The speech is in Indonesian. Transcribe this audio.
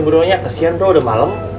bronya kesian bro udah malam